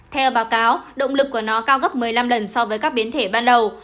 theo báo cáo động lực của nó cao gấp một mươi năm lần so với các biến thể ban đầu